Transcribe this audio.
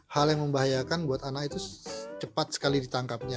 hal yang membahayakan buat anak itu cepat sekali ditangkapnya